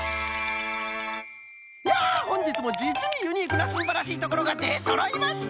いやほんじつもじつにユニークなすんばらしいところがでそろいました！